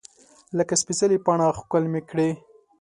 لکه سپیڅلې پاڼه ښکل مې کړې